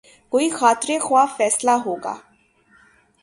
کوئی خاطر خواہ فیصلہ ہو گا۔